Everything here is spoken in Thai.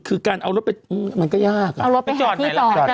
คือการเอารถไป